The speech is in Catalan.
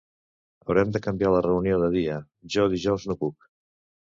Haurem de canviar la reunió de dia, jo dijous no puc.